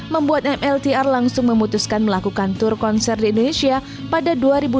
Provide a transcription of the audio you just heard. membuat mltr langsung memutuskan melakukan tur konser di indonesia pada dua ribu dua puluh